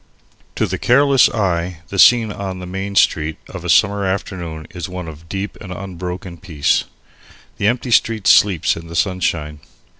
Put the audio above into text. To the careless eye the scene on the Main Street of a summer afternoon is one of deep and unbroken peace. The empty street sleeps in the sunshine.